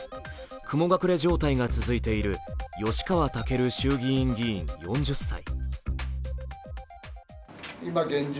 雲隠れ状態が続いている吉川赳衆議院議員４０歳。